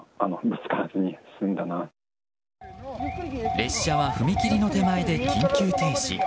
列車は踏切の手前で緊急停止。